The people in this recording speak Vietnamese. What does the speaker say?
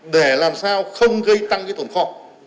để làm sao không gây tăng cái tổn kho